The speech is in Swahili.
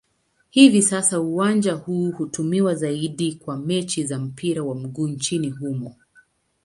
Hivi sasa uwanja huu hutumiwa zaidi kwa mechi za mpira wa miguu nchini humo.